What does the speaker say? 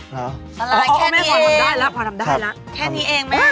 หรือ